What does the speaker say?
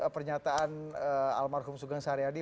pernyataan almarhum sugeng sariardi